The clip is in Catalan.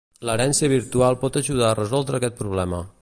L'herència virtual pot ajudar a resoldre aquest problema.